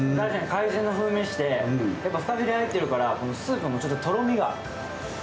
海鮮の風味して、フカヒレが入ってるからスープもちょっととろみが。